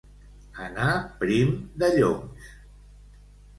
Anar prim de lloms.